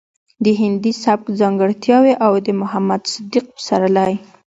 د هندي سبک ځانګړټياوې او د محمد صديق پسرلي